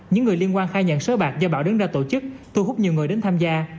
những người liên quan khai nhận sới bạc do bảo đứng ra tổ chức thu hút nhiều người đến tham gia